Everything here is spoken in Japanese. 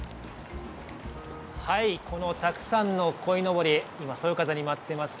このたくさんのこいのぼり、今、そよ風に舞っています。